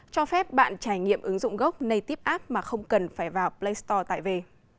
cho phép bạn trải nghiệm ứng dụng gốc native app mà không cần phải vào play store tải về